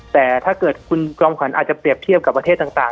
แต่ถ้าเกิดคุณจอมขวัญอาจจะเปรียบเทียบกับประเทศต่าง